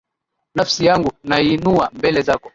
Nafsi yangu naiinua mbele zako.